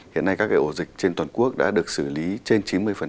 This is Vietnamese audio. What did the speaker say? hiện nay các ổ dịch trên toàn quốc đã được xử lý trên chín mươi